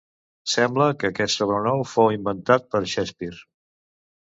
Sembla que aquest sobrenom fou inventat per Shakespeare.